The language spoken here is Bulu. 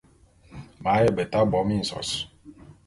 M’ aye beta bo minsos.